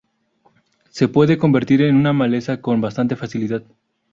Se puede convertir en una maleza con bastante facilidad.